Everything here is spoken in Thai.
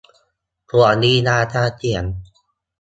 ส่วนลีลาการเขียน